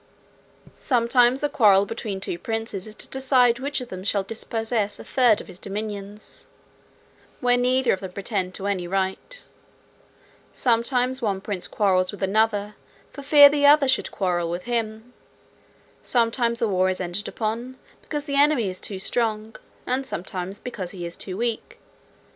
"Sometimes the quarrel between two princes is to decide which of them shall dispossess a third of his dominions, where neither of them pretend to any right. Sometimes one prince quarrels with another for fear the other should quarrel with him. Sometimes a war is entered upon, because the enemy is too strong; and sometimes, because he is too weak.